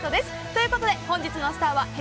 ということで本日のスターはＨｅｙ！